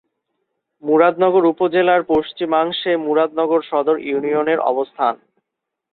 মুরাদনগর উপজেলার পশ্চিমাংশে মুরাদনগর সদর ইউনিয়নের অবস্থান।